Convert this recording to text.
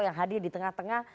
yang hadir di tengah tengah